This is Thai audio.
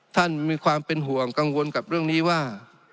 ท่านมีความเป็นห่วงกังวลกับเรื่องนี้ว่า